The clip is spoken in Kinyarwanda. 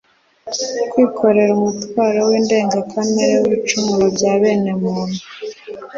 kwikorera umutwaro w'indengakamere w'ibicumuro bya bene muntu,